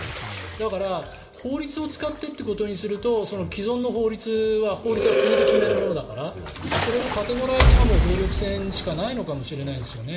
だから、法律を使ってということにすると既存の法律は国で決めるものだからそれのカテゴライズがもう動力船しかないかもしれないですけどね。